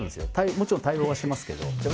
もちろん対応はしますけど。